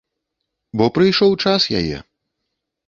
Бо прыйшоў час яе.